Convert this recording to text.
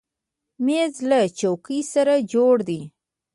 مېز له چوکۍ سره جوړه ده.